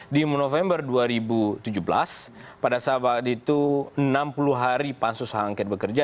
di november dua ribu tujuh belas pada saat itu enam puluh hari pansus hak angket bekerja